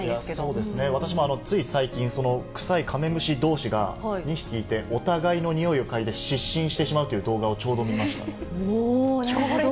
そうですね、私もつい最近、臭いカメムシどうしが、２匹いてお互いの臭いをかいで、失神してしまうという動画をちょなるほど。